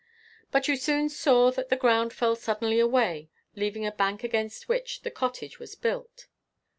But you soon saw that the ground fell suddenly away, leaving a bank against which the cottage was built.